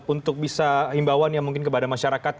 untuk bisa himbawan ya mungkin kepada masyarakat